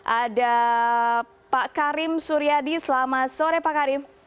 ada pak karim suryadi selamat sore pak karim